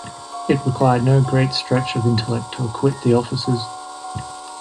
It required no great stretch of intellect to acquit the officers.